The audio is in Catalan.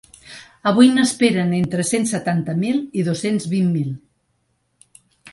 Avui n’esperen entre cent setanta mil i dos-cents vint mil.